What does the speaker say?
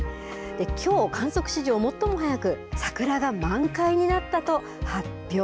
きょう、観測史上最も早く桜が満開になったと発表。